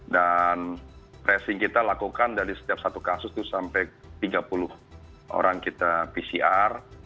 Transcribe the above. dan tracing kita lakukan dari setiap satu kasus itu sampai tiga puluh orang kita pcr